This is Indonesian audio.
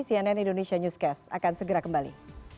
cnn indonesia newscast akan segera kembali